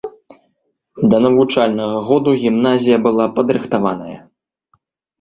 Да навучальнага году гімназія была падрыхтаваная.